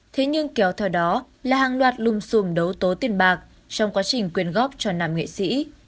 thế nhưng kéo theo đó là hàng loạt lùm xùm đấu tố tiền bạc trong quá trình quyên góp cho nam nghệ sĩ